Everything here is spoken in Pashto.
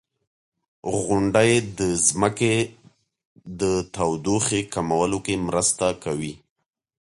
• غونډۍ د ځمکې د تودوخې کمولو کې مرسته کوي.